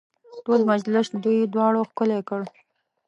ټول مجلس دوی دواړو ښکلی کړ.